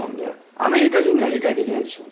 アメリカ人には理解できないでしょうね。